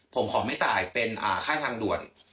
ผมขอไม่จ่ายเป็นค่าทางด่วน